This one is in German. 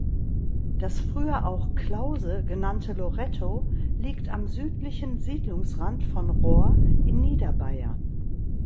Das früher auch "Klause" genannte Loretto liegt am südlichen Siedlungsrand von Rohr in Niederbayern.